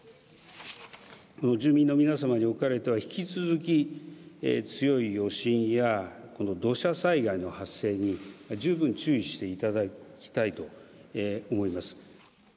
住民の皆様におかれては引き続き、強い余震や、この土砂災害の発生に十分注意していただきたいと思います。